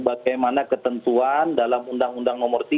bagaimana ketentuan dalam undang undang nomor tiga